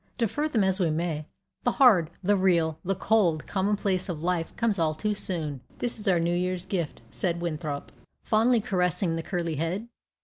defer them as we may, the hard, the real, the cold commonplace of life comes on all too soon! "This is our New Year's gift," said Winthrop, fondly caressing the curly head.